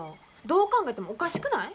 どう考えてもおかしくない？